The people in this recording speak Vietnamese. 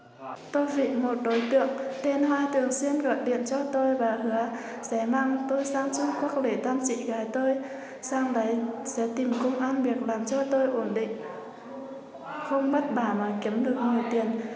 hai đối tượng tên hoa tường xuyên gọi điện cho tôi và hứa sẽ mang tôi sang trung quốc để tăng trị gái tôi sang đấy sẽ tìm công an việc làm cho tôi ổn định không bắt bà mà kiếm được nhiều tiền